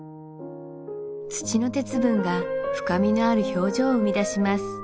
土の鉄分が深みのある表情を生み出します